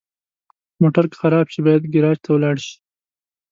موټر که خراب شي، باید ګراج ته ولاړ شي.